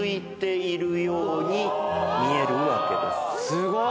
すごい！